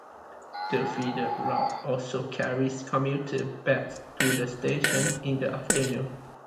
The feeder routes also carry commuters back to the station in the afternoon.